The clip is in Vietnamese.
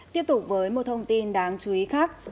tiếp tục với một thông tin đáng chú ý khác